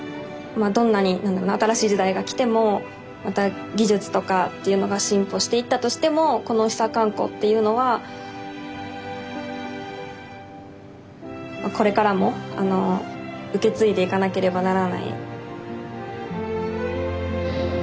まあどんなになんだろな新しい時代が来てもまた技術とかっていうのが進歩していったとしてもこの指差喚呼っていうのはこれからも受け継いでいかなければならない。